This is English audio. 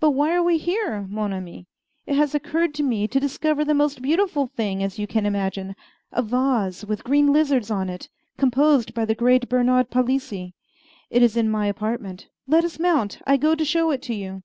But why are we here, mon ami? It has occurred to me to discover the most beautiful thing as you can imagine a vase with green lizards on it, composed by the great Bernard Palissy. It is in my apartment; let us mount. I go to show it to you."